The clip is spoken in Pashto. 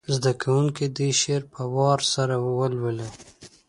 زده کوونکي دې شعر په وار سره ولولي.